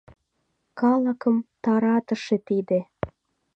— Калыкым таратыше тиде!